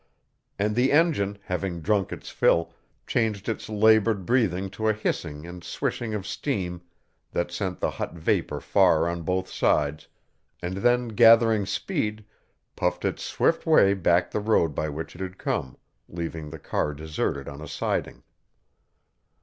And the engine, having drunk its fill, changed its labored breathing to a hissing and swishing of steam that sent the hot vapor far on both sides, and then gathering speed, puffed its swift way back the road by which it had come, leaving the car deserted on a siding.